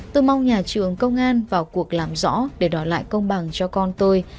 tôi mong nhà trường công an vào cuộc làm rõ để đòi lại công bằng cho con tôi